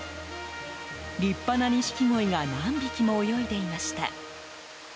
立派なニシキゴイが何匹も泳いでいました。